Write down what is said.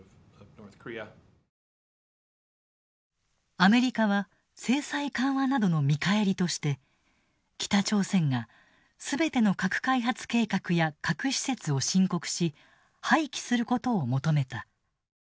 アメリカは制裁緩和などの見返りとして北朝鮮が全ての核開発計画や核施設を申告し廃棄することを求めた。